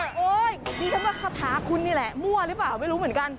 โอ๊ยดิฉันว่าคาถาคุณนี่แหละมั่วหรือเปล่าไม่รู้เหมือนกัน